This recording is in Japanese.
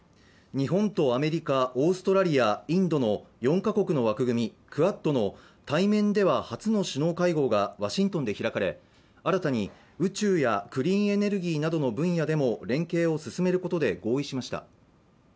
日本とアメリカ、オーストラリアインドの４カ国の枠組み、クアッドの対面では初の首脳会合がワシントンで開かれ、新たに宇宙やクリーンエネルギーなどの分野でも連携を進めることで合意しました。